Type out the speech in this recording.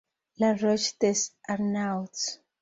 La Roche-des-Arnauds